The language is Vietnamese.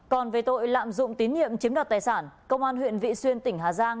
còn về tội lạm dụng tín nhiệm chiếm đoạt tài sản công an huyện vị xuyên tỉnh hà giang